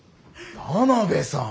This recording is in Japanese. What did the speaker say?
田邊さん！